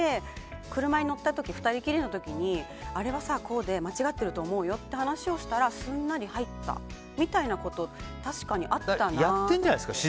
車に乗った２人きりの時にあれはこうで、間違ってると思うよって話をしたらすんなり入ったみたいなことが自然にやってるんじゃないですか？